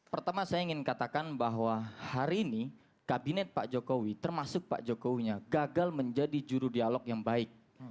pertama saya ingin katakan bahwa hari ini kabinet pak jokowi termasuk pak jokowinya gagal menjadi juru dialog yang baik